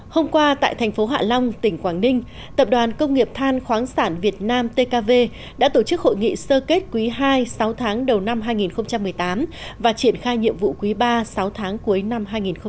hôm qua tại thành phố hạ long tỉnh quảng ninh tập đoàn công nghiệp than khoáng sản việt nam tkv đã tổ chức hội nghị sơ kết quý ii sáu tháng đầu năm hai nghìn một mươi tám và triển khai nhiệm vụ quý ba sáu tháng cuối năm hai nghìn một mươi chín